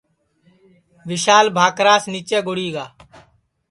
وشال بھاکراس نیچے گُڑی گا